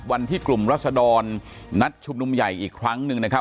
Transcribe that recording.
วันที่กลุ่มรัศดรนัดชุมนุมใหญ่อีกครั้งหนึ่งนะครับ